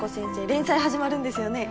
連載始まるんですよね。